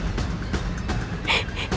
hingga ibu melarang